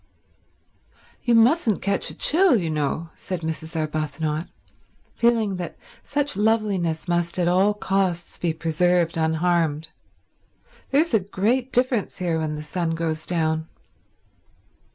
"You mustn't catch a chill, you know," said Mrs. Arbuthnot, feeling that such loveliness must at all costs be preserved unharmed. "There's a great difference here when the sun goes down."